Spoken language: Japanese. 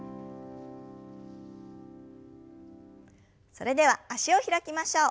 それでは脚を開きましょう。